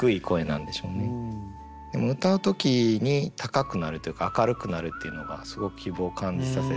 でも歌う時に高くなるというか明るくなるっていうのがすごく希望を感じさせて。